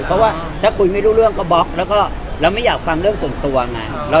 เพราะว่าถ้าคุยไม่รู้เรื่องก็บล็อกแล้วก็เราไม่อยากฟังเรื่องส่วนตัวไง